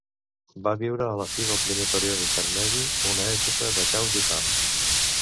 Va viure a la fi del primer període intermedi, una època de caos i fam.